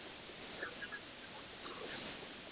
د ښوونې او روزنې پروګرامونه باید دومره قوي وي.